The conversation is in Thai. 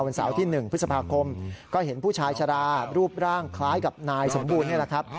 เสาร์ที่๑พฤษภาคมก็เห็นผู้ชายชรารูปร่างคล้ายกับนายสมบูรณ์นี่แหละครับ